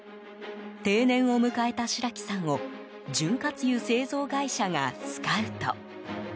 定年を迎えた白木さんを潤滑油製造会社がスカウト。